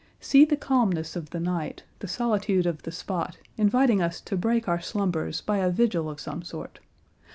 See the calmness of the night, the solitude of the spot, inviting us to break our slumbers by a vigil of some sort.